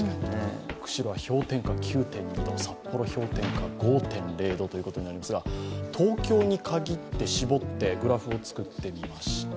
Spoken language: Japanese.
釧路は氷点下９．２度札幌、氷点下５．０度ということになりますが東京に絞ってグラフを作ってみました。